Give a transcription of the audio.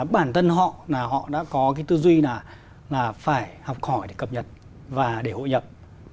bản thân họ đã có tư duy là phải học hỏi để cập nhật và để hội nhập